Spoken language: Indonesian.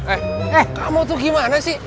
eh eh kamu tuh gimana sih